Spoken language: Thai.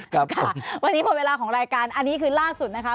ครับค่ะวันนี้หมดเวลาของรายการอันนี้คือล่าสุดนะคะ